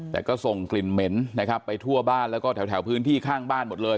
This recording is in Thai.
แต่ก็ส่งกลิ่นเหม็นนะครับไปทั่วบ้านแล้วก็แถวพื้นที่ข้างบ้านหมดเลย